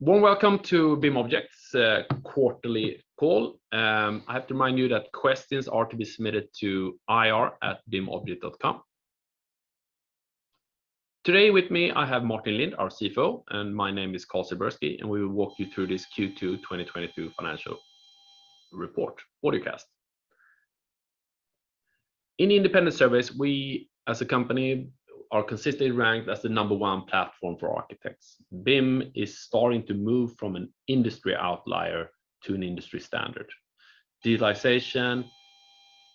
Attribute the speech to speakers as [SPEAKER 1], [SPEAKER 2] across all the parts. [SPEAKER 1] Warm welcome to BIMobject's quarterly call. I have to remind you that questions are to be submitted to ir@bimobject.com. Today with me, I have Martin Lindh, our CFO, and my name is Carl Silbersky, and we will walk you through this Q2 2022 financial report webcast. In independent surveys, we as a company are consistently ranked as the number one platform for architects. BIM is starting to move from an industry outlier to an industry standard. Digitalization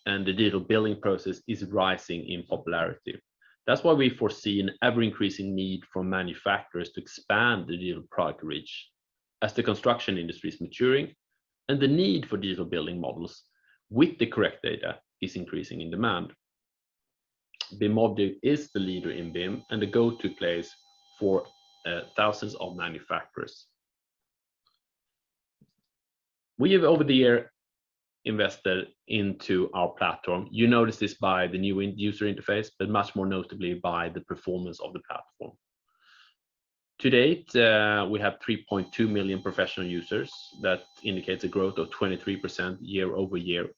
[SPEAKER 1] and the digital building process is rising in popularity. That's why we foresee an ever-increasing need for manufacturers to expand their digital product reach as the construction industry is maturing and the need for digital building models with the correct data is increasing in demand. BIMobject is the leader in BIM and the go-to place for thousands of manufacturers. We have over the year invested into our platform. You notice this by the new user interface, but much more notably by the performance of the platform. To date, we have 3.2 million professional users. That indicates a growth of 23% year-over-year.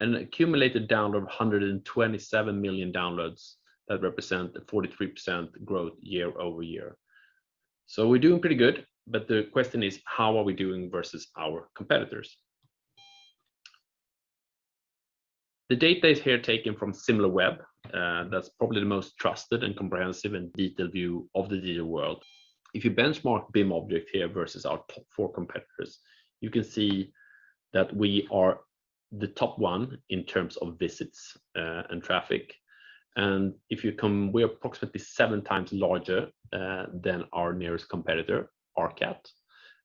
[SPEAKER 1] An accumulated download of 127 million downloads that represent a 43% growth year-over-year. We're doing pretty good, but the question is, how are we doing versus our competitors? The data is here taken from Similarweb. That's probably the most trusted and comprehensive and detailed view of the digital world. If you benchmark BIMobject here versus our top four competitors, you can see that we are the top one in terms of visits, and traffic. We're approximately 7x larger than our nearest competitor, Archicad.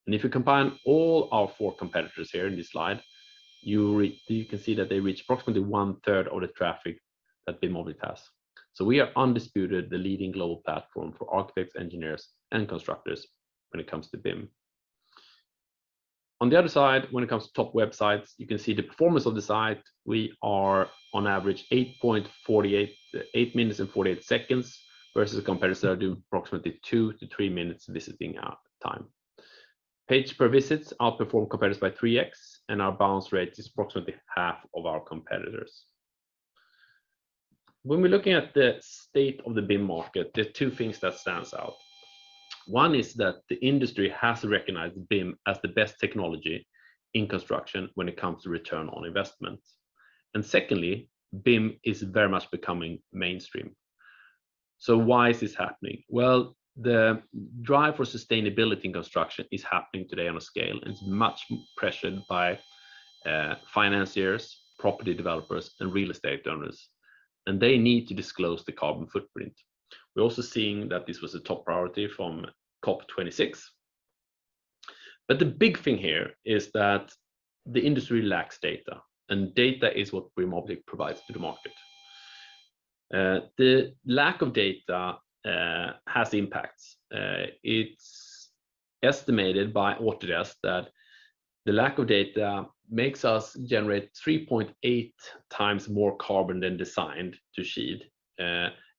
[SPEAKER 1] If you combine all our four competitors here in this slide, you can see that they reach approximately 1/3 of the traffic that BIMobject has. We are undisputed the leading global platform for architects, engineers, and constructors when it comes to BIM. On the other side, when it comes to top websites, you can see the performance of the site. We are on average 8 minutes and 48 seconds versus competitors that are doing approximately 2 minutes-3 minutes visit time. Pages per visit outperform competitors by 3x, and our bounce rate is approximately half of our competitors. When we're looking at the state of the BIM market, there are two things that stand out. One is that the industry has recognized BIM as the best technology in construction when it comes to return on investment. Secondly, BIM is very much becoming mainstream. Why is this happening? Well, the drive for sustainability in construction is happening today on a scale and it's much pressured by financiers, property developers, and real estate owners, and they need to disclose the carbon footprint. We're also seeing that this was a top priority from COP26. The big thing here is that the industry lacks data, and data is what BIMobject provides to the market. The lack of data has impacts. It's estimated by Autodesk that the lack of data makes us generate 3.8x more carbon than designed to shield,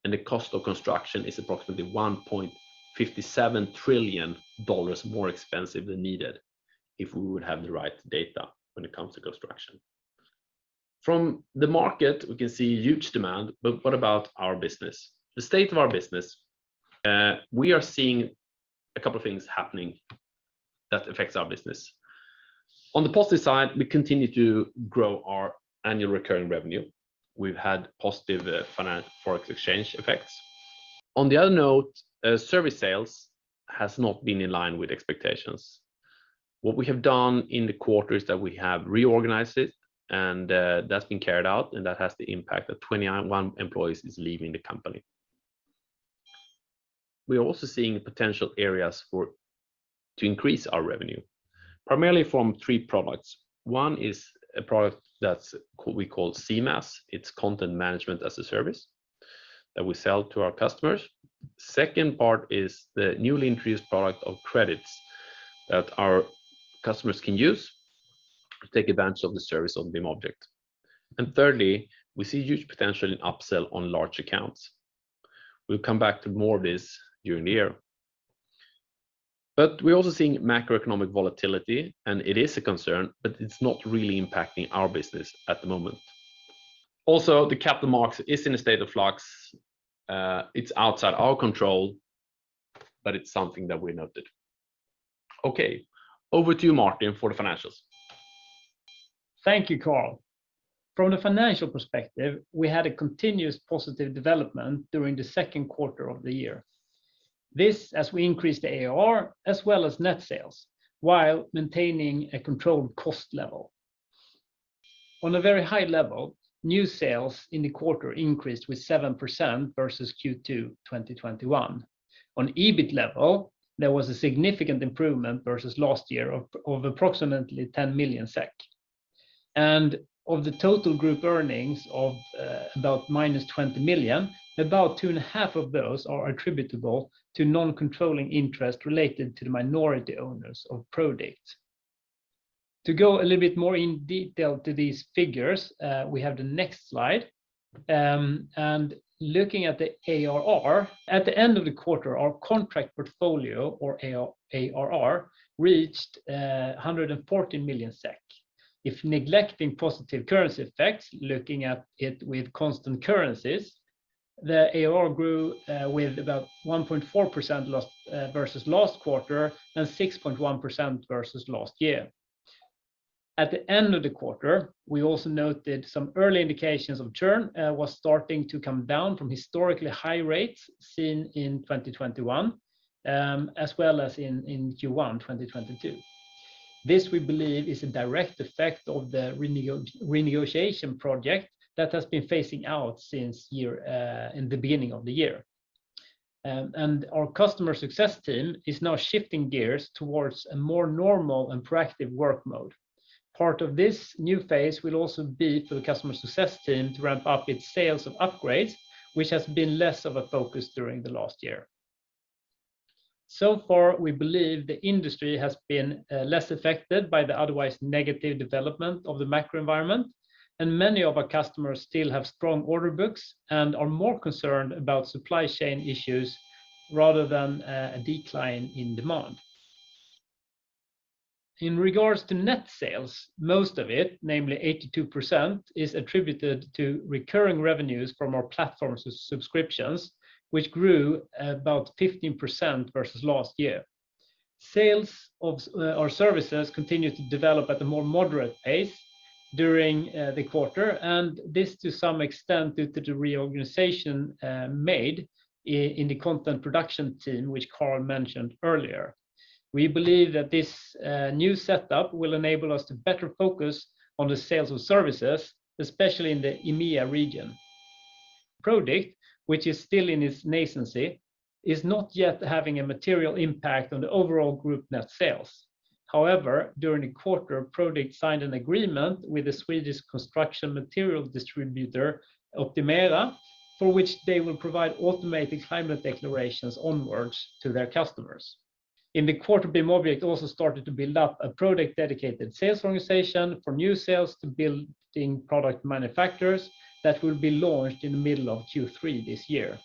[SPEAKER 1] and the cost of construction is approximately $1.57 trillion more expensive than needed if we would have the right data when it comes to construction. From the market, we can see huge demand, but what about our business? The state of our business, we are seeing a couple of things happening that affects our business. On the positive side, we continue to grow our annual recurring revenue. We've had positive financial Forex exchange effects. On the other note, service sales has not been in line with expectations. What we have done in the quarter is that we have reorganized it, and that's been carried out, and that has the impact that 21 employees is leaving the company. We are also seeing potential areas to increase our revenue, primarily from three products. One is a product that we call CMaaS. It's content management as a service that we sell to our customers. Second part is the newly introduced product Credits that our customers can use to take advantage of the service on BIMobject. Thirdly, we see huge potential in upsell on large accounts. We'll come back to more of this during the year. We're also seeing macroeconomic volatility, and it is a concern, but it's not really impacting our business at the moment. Also, the capital markets is in a state of flux. It's outside our control, but it's something that we noted. Okay, over to you, Martin, for the financials.
[SPEAKER 2] Thank you, Carl. From the financial perspective, we had a continuous positive development during the second quarter of the year. This, as we increased the ARR as well as net sales, while maintaining a controlled cost level. On a very high level, new sales in the quarter increased by 7% versus Q2 2021. On EBIT level, there was a significant improvement versus last year of approximately 10 million SEK. Of the total group earnings of about -20 million, about 2.5 of those are attributable to non-controlling interest related to the minority owners of Prodikt. To go a little bit more in detail to these figures, we have the next slide. Looking at the ARR, at the end of the quarter, our contract portfolio or ARR reached 114 million SEK. If neglecting positive currency effects, looking at it with constant currencies, the ARR grew with about 1.4% loss versus last quarter and 6.1% versus last year. At the end of the quarter, we also noted some early indications of churn was starting to come down from historically high rates seen in 2021, as well as in Q1 2022. This we believe is a direct effect of the renegotiation project that has been phasing out since year in the beginning of the year. Our customer success team is now shifting gears towards a more normal and proactive work mode. Part of this new phase will also be for the customer success team to ramp up its sales of upgrades, which has been less of a focus during the last year. So far, we believe the industry has been less affected by the otherwise negative development of the macro environment, and many of our customers still have strong order books and are more concerned about supply chain issues rather than a decline in demand. In regards to net sales, most of it, namely 82%, is attributed to recurring revenues from our platform's subscriptions, which grew at about 15% versus last year. Sales of our services continued to develop at a more moderate pace during the quarter, and this to some extent due to the reorganization made in the content production team, which Carl mentioned earlier. We believe that this new setup will enable us to better focus on the sales of services, especially in the EMEA region. Prodikt, which is still in its nascency, is not yet having a material impact on the overall group net sales. However, during the quarter, Prodikt signed an agreement with the Swedish construction material distributor, Optimera, for which they will provide automated climate declarations onward to their customers. In the quarter, BIMobject also started to build up a Prodikt-dedicated sales organization for new sales to building product manufacturers that will be launched in the middle of Q3 this year.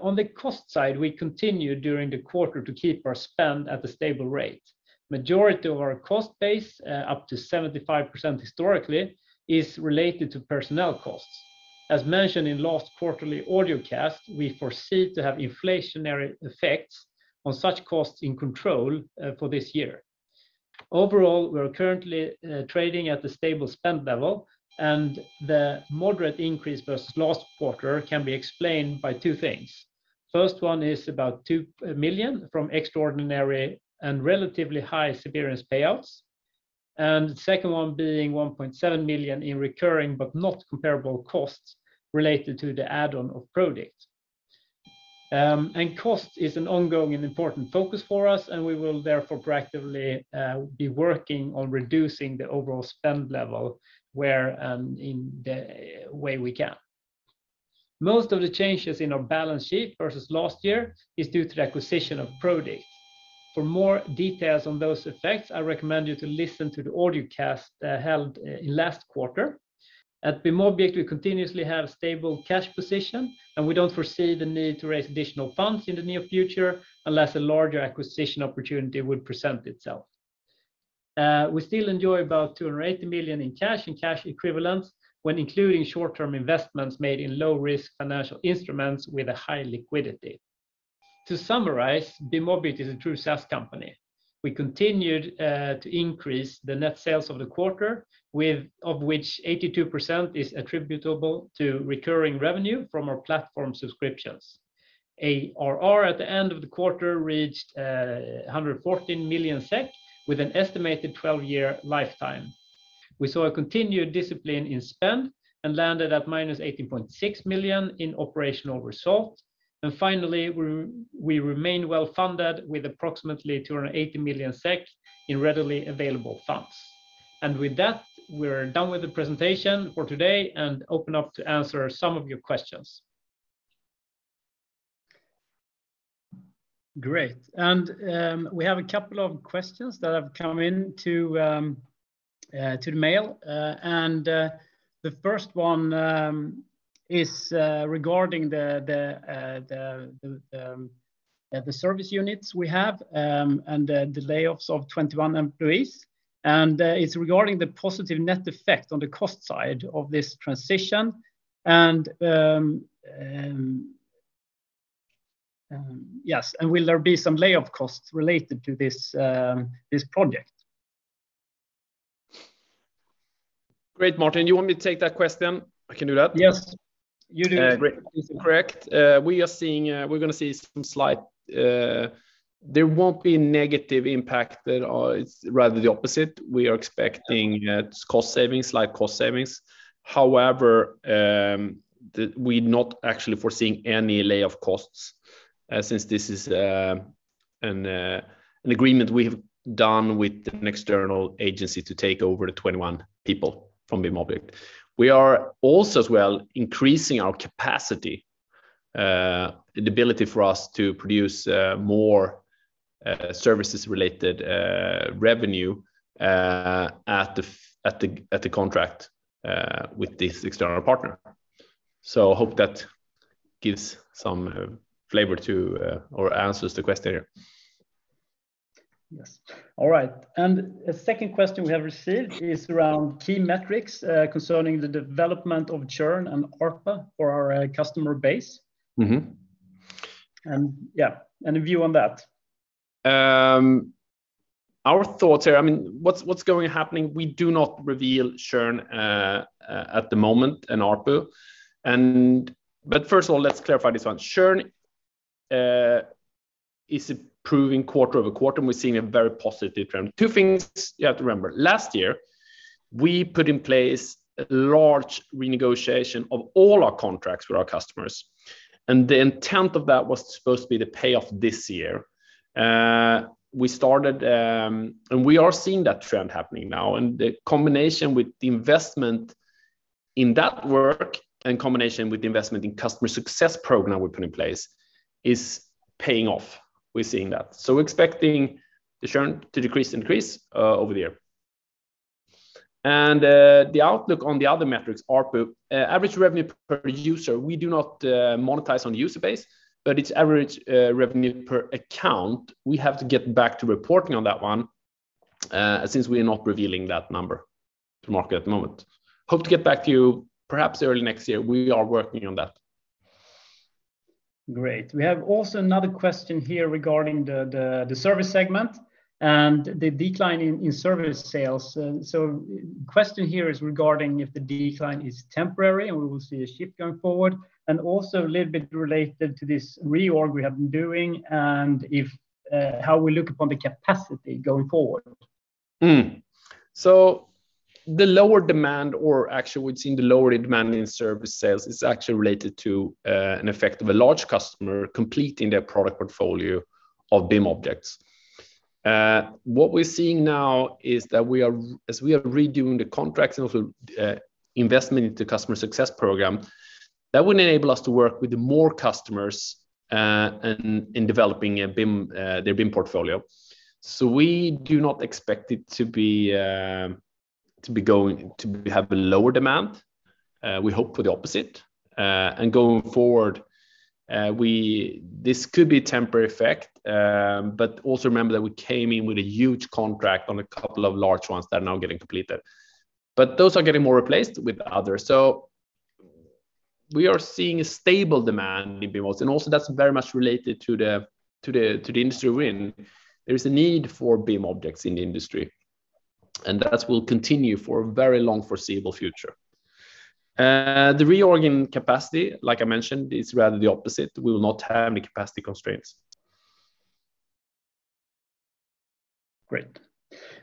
[SPEAKER 2] On the cost side, we continued during the quarter to keep our spend at a stable rate. Majority of our cost base, up to 75% historically, is related to personnel costs. As mentioned in last quarterly audiocast, we foresee to have inflationary effects on such costs in control for this year. Overall, we're currently trading at the stable spend level, and the moderate increase versus last quarter can be explained by two things. First one is about 2 million from extraordinary and relatively high severance payouts, and second one being 1.7 million in recurring but not comparable costs related to the add-on of Prodikt. Cost is an ongoing and important focus for us, and we will therefore proactively be working on reducing the overall spend level where in the way we can. Most of the changes in our balance sheet versus last year is due to the acquisition of Prodikt. For more details on those effects, I recommend you to listen to the audiocast held in last quarter. At BIMobject, we continuously have stable cash position, and we don't foresee the need to raise additional funds in the near future unless a larger acquisition opportunity would present itself. We still enjoy about 280 million in cash and cash equivalents when including short-term investments made in low-risk financial instruments with a high liquidity. To summarize, BIMobject is a true SaaS company. We continued to increase the net sales of the quarter, of which 82% is attributable to recurring revenue from our platform subscriptions. ARR at the end of the quarter reached 114 million SEK with an estimated 12-year lifetime. We saw a continued discipline in spend and landed at -18.6 million in operational results. Finally, we remain well-funded with approximately 280 million SEK in readily available funds. With that, we're done with the presentation for today and open up to answer some of your questions. Great. We have a couple of questions that have come in to the mail. The first one is regarding the service units we have and the layoffs of 21 employees. It's regarding the positive net effect on the cost side of this transition. Will there be some layoff costs related to this project?
[SPEAKER 1] Great, Martin. You want me to take that question? I can do that.
[SPEAKER 2] Yes. You do it great.
[SPEAKER 1] Correct. We're gonna see some slight, there won't be negative impact at all. It's rather the opposite. We are expecting cost savings, slight cost savings. However, we're not actually foreseeing any layoff costs, since this is an agreement we have done with an external agency to take over the 21 people from BIMobject. We are also as well increasing our capacity, the ability for us to produce more services-related revenue at the contract with this external partner. Hope that gives some flavor to or answers the question here.
[SPEAKER 2] Yes. All right. A second question we have received is around key metrics, concerning the development of churn and ARPA for our customer base.
[SPEAKER 1] Mm-hmm.
[SPEAKER 2] Yeah, any view on that?
[SPEAKER 1] Our thoughts here, I mean, what's going to happen, we do not reveal churn at the moment and ARPU. First of all, let's clarify this one. Churn is improving quarter-over-quarter, and we're seeing a very positive trend. Two things you have to remember. Last year, we put in place a large renegotiation of all our contracts with our customers, and the intent of that was supposed to be the payoff this year. We are seeing that trend happening now, and the combination with the investment in that work, in combination with the investment in customer success program we put in place, is paying off. We're seeing that. We're expecting the churn to decrease, increase, over the year. The outlook on the other metrics, ARPU, average revenue per user, we do not monetize on user base, but it's average revenue per account. We have to get back to reporting on that one, since we're not revealing that number to market at the moment. Hope to get back to you perhaps early next year. We are working on that.
[SPEAKER 2] Great. We have also another question here regarding the service segment and the decline in service sales. Question here is regarding if the decline is temporary, and we will see a shift going forward, and also a little bit related to this reorg we have been doing and if how we look upon the capacity going forward.
[SPEAKER 1] The lower demand or actually we've seen the lower demand in service sales is actually related to an effect of a large customer completing their product portfolio of BIM objects. What we're seeing now is that we are, as we are redoing the contracts and also investment into customer success program, that would enable us to work with the more customers in developing a BIM their BIM portfolio. We do not expect it to be going to have a lower demand. We hope for the opposite. Going forward, this could be a temporary effect, but also remember that we came in with a huge contract on a couple of large ones that are now getting completed. Those are getting more replaced with others. We are seeing a stable demand in BIM objects, and also that's very much related to the industry we're in. There is a need for BIM objects in the industry, and that will continue for a very long foreseeable future. The reorg in capacity, like I mentioned, is rather the opposite. We will not have any capacity constraints.
[SPEAKER 2] Great.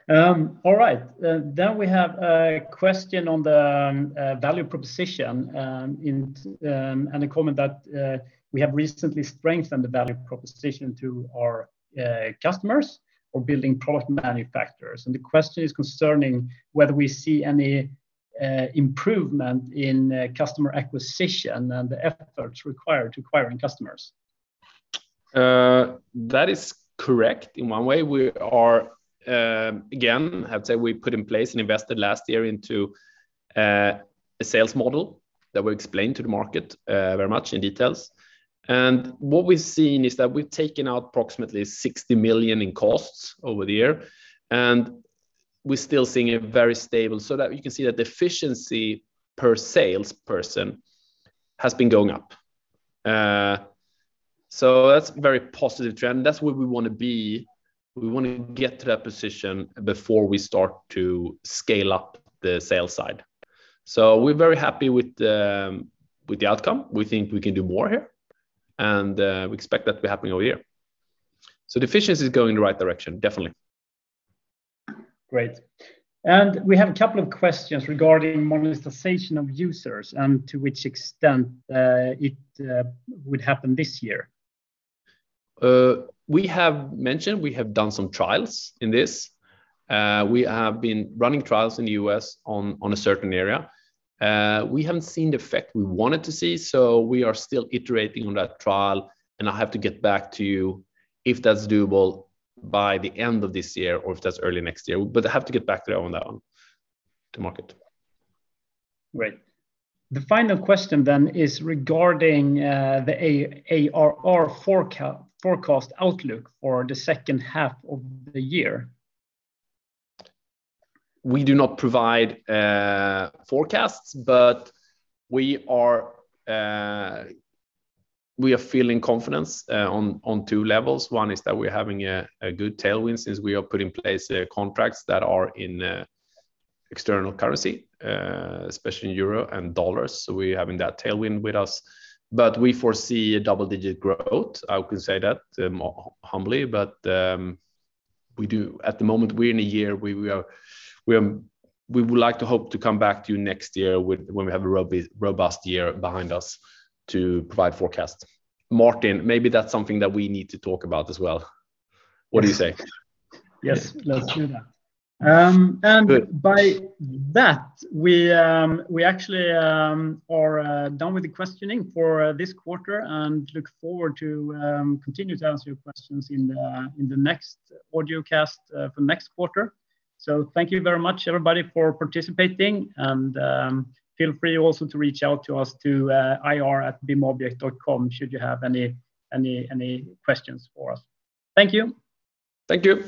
[SPEAKER 2] All right. We have a question on the value proposition and a comment that we have recently strengthened the value proposition to our customers or building product manufacturers. The question is concerning whether we see any improvement in customer acquisition and the efforts required to acquiring customers.
[SPEAKER 1] That is correct in one way. We are, again, I would say we put in place and invested last year into a sales model that we explained to the market very much in details. What we've seen is that we've taken out approximately 60 million in costs over the year, and we're still seeing a very stable, so that you can see that the efficiency per salesperson has been going up. That's a very positive trend. That's where we want to be. We want to get to that position before we start to scale up the sales side. We're very happy with the outcome. We think we can do more here, and we expect that to be happening over here. The efficiency is going in the right direction, definitely.
[SPEAKER 2] Great. We have a couple of questions regarding monetization of users and to which extent it would happen this year.
[SPEAKER 1] We have mentioned we have done some trials in this. We have been running trials in the U.S. on a certain area. We haven't seen the effect we wanted to see, so we are still iterating on that trial, and I have to get back to you if that's doable by the end of this year or if that's early next year. I have to get back to you on that one, to market.
[SPEAKER 2] Great. The final question then is regarding the ARR forecast outlook for the second half of the year.
[SPEAKER 1] We do not provide forecasts, but we are feeling confidence on two levels. One is that we're having a good tailwind since we have put in place contracts that are in external currency especially in euro and dollars. We're having that tailwind with us. We foresee a double-digit growth. I can say that humbly, but we do, at the moment, we're in a year where we would like to hope to come back to you next year with when we have a robust year behind us to provide forecasts. Martin, maybe that's something that we need to talk about as well.
[SPEAKER 2] Yes.
[SPEAKER 1] What do you say?
[SPEAKER 2] Yes, let's do that.
[SPEAKER 1] Good
[SPEAKER 2] By that, we actually are done with the questioning for this quarter and look forward to continue to answer your questions in the next audiocast for next quarter. Thank you very much, everybody, for participating, and feel free also to reach out to us at ir@bimobject.com should you have any questions for us. Thank you.
[SPEAKER 1] Thank you.